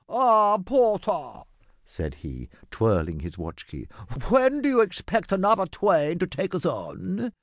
"Aw po taw," said he, twirling his watch key, "w'en d'you expect anotha twain to take us on?"